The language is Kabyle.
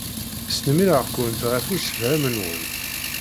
Snemmireɣ-kent ɣef ussefhem-nwent.